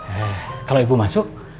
eh kalo ibu masuk